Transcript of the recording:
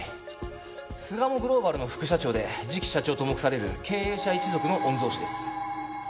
巣鴨グローバルの副社長で次期社長と目される経営者一族の御曹司です。